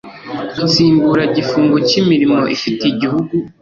nsimburagifungo cy imirimo ifitiye igihugu